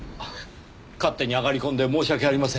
勝手に上がり込んで申し訳ありません。